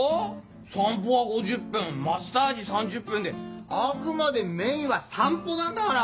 散歩は５０分マッサージ３０分であくまでメインは散歩なんだから！